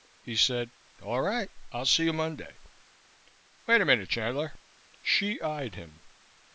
He said: "All right, I'll see you Monday." "Wait a minute, Chandler." Hsi eyed him.